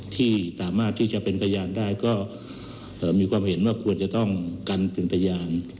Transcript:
ที่สามารถที่จะเป็นพยานได้ก็มีความเห็นว่าควรจะต้องกันเป็นพยาน